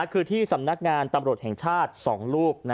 คือที่สำนักงานตำรวจแห่งชาติ๒ลูก